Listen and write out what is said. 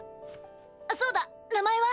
あっそうだ名前は？